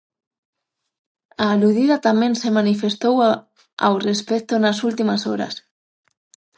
A aludida tamén se manifestou ao respecto nas últimas horas.